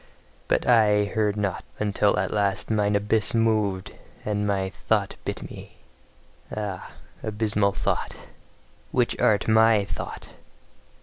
But I heard not, until at last mine abyss moved, and my thought bit me. Ah, abysmal thought, which art MY thought!